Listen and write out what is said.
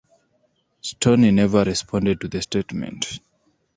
Stoney never responded to the statement.